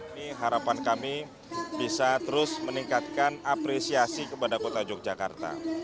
ini harapan kami bisa terus meningkatkan apresiasi kepada kota yogyakarta